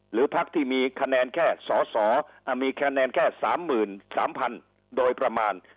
หรือพักที่มีคะแนนแค่สอสอมีคะแนนแค่๓๓๐๐๐โดยประมาณ